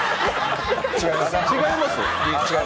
違います？